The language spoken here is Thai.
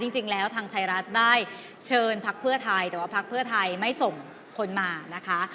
จริงแล้วทางไทยรัฐได้เชิญพักเพื่อไทยแต่ว่าพักเพื่อไทยไม่ส่งคนมานะคะ